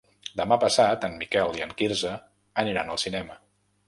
Demà passat en Miquel i en Quirze aniran al cinema.